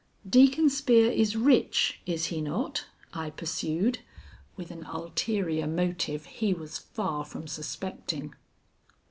"Deacon Spear is rich, is he not?" I pursued, with an ulterior motive he was far from suspecting.